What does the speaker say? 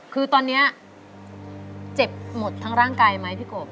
คือตอนนี้เจ็บหมดทั้งร่างกายไหมพี่กบ